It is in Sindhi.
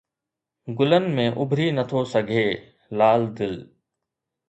گلن ۾ اُڀري نٿو سگهي، لال دل